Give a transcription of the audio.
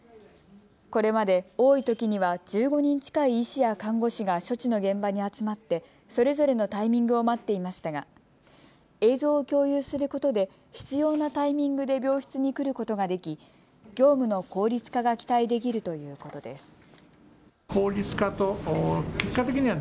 これまで多いときには１５人近い医師や看護師が処置の現場に集まってそれぞれのタイミングを待っていましたが映像を共有することで必要なタイミングで病室に来ることができ業務の効率化が期待できるということです。